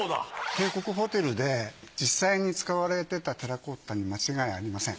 帝国ホテルで実際に使われてたテラコッタに間違いありません。